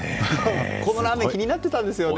このラーメン気になってたんですよね。